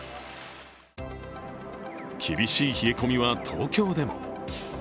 厳しい冷え込みは東京でも。